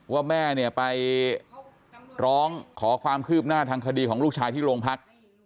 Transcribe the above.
ว่าแม่เนี่ยไปร้องขอความคืบหน้าทางคดีของลูกชายที่โรงพัก